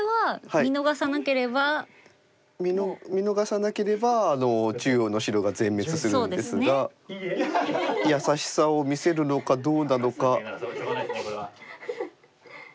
見逃さなければ中央の白が全滅するんですが優しさを見せるのかどうなのか。